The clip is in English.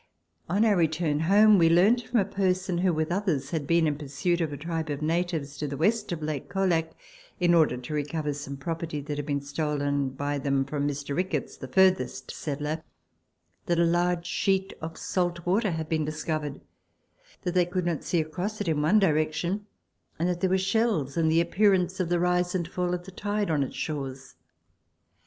On our return home we learnt from a person who, with others, had been in pursuit of a tribe of natives, to the west of Lake Colac, in order to recover some property that had been stolen by them 40 Letters from Victorian Pioneers. from Mr. Ricketts, the furthest settler, that a large sheet of salt water had been discovered ; that they could not see across it in one direction ; and that there were shells and the appearance of the rise and fall of the tide on its shores.